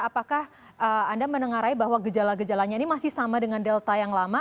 apakah anda menengarai bahwa gejala gejalanya ini masih sama dengan delta yang lama